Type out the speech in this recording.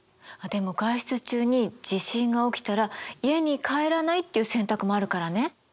でも外出中に地震が起きたら家に帰らないっていう選択もあるからね。